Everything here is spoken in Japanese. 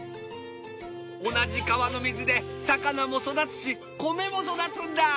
同じ川の水で魚も育つし米も育つんだ！